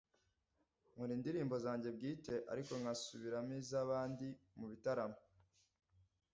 Nkora indirimbo zange bwite ariko nkanasubiramo iz’abandi mu bitaramo.